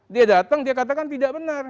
dia datang dia katakan tidak benar